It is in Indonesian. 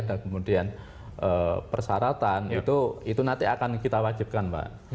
kemudian persyaratan itu nanti akan kita wajibkan mbak